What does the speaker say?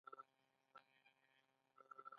ایا شکایت نه کوئ؟